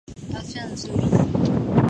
afya nzuri